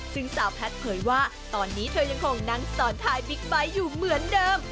ซึ่งสาวแพทย์เผยว่าตอนนี้เธอยังคงนั่งซ้อนท้ายบิ๊กไบท์อยู่เหมือนเดิม